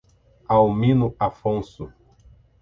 Almino Afonso